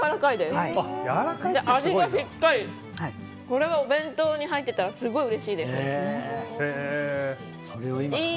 これはお弁当に入ってたらすごいうれしいです。